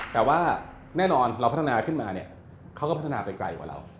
แต่ว่าแน่นอนเราพัฒนาขึ้นมาเนี่ยเขาก็พัฒนาไปไกลกว่าเรา